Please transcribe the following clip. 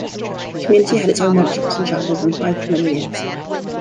The community had its own workshops and chapel, and thrived for many years.